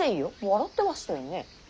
笑ってましたよね。